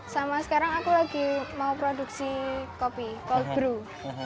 sama sekarang aku lagi mau produksi kopi cold brew